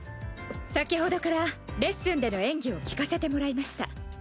先ほどからレッスンでの演技を聞かせてもらいました。